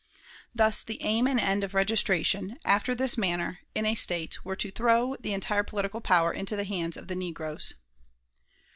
Thus the aim and end of registration, after this manner, in a State, were to throw the entire political power into the hands of the negroes.